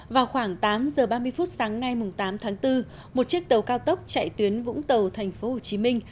vào khoảng tám h ba mươi phút sáng nay tám tháng bốn một chiếc tàu cao tốc chạy tuyến vũng tàu tp hcm